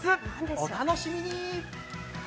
お楽しみに！